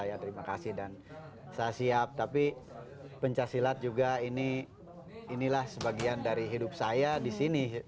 saya terima kasih dan saya siap tapi pencaksilat juga inilah sebagian dari hidup saya di sini